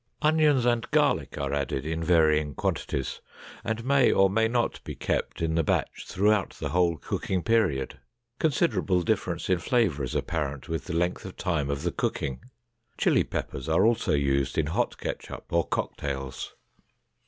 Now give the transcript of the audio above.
Onions and garlic are added in varying quantities and may or may not be kept in the batch throughout the whole cooking period. Considerable difference in flavor is apparent with the length of time of the cooking. Chili peppers are also used in hot ketchup or cocktails.